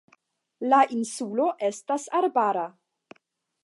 La insulo estas arbara.